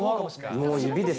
もう指です。